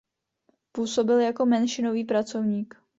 Působil jako menšinový pracovník.